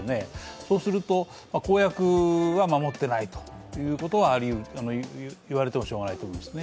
そうすると公約は守ってないということが言われてもしようがないと想いますね。